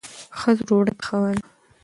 ښځو ډوډۍ پخوله.